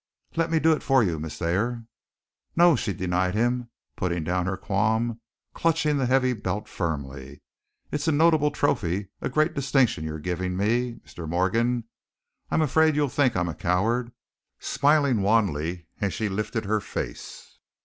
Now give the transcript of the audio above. "Let me do it for you, Miss Thayer." "No," she denied him, putting down her qualm, clutching the heavy belt firmly. "It is a notable trophy, a great distinction you're giving me, Mr. Morgan. I'm afraid you'll think I'm a coward," smiling wanly as she lifted her face.